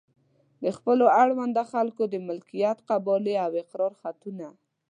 د خپلو اړونده خلکو د مالکیت قبالې او اقرار خطونه.